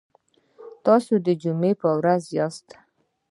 ایا تاسو د جمعې په ورځ یاست؟